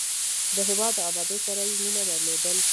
د هېواد د ابادۍ سره یې مینه درلودل.